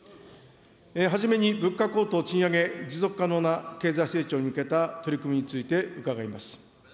はじめに物価高騰、賃上げ、持続可能な経済成長に向けた取り組みについて伺います。